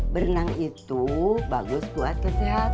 berenang itu bagus buat kesehatan